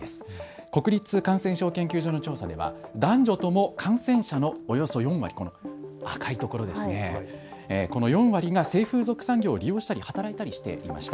国立感染症研究所の調査では男女とも感染者のおよそ４割が性風俗産業を利用したり働いていたりしました。